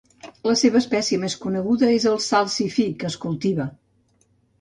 La seva espècie més coneguda és el salsifí que es cultiva.